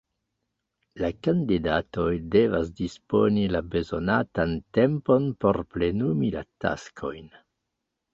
La kandidatoj devas disponi la bezonatan tempon por plenumi la taskojn.